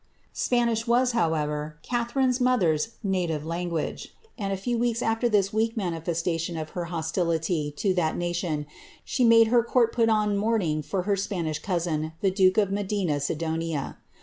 "" Si)ani!<li was, however, Catharine's mother^s native languai^, and, a few weeks after this weak manifestiition of her hostility to that nation, she made her court put on mourning for her Spanish cousin, the duke of Medina Sidonia.'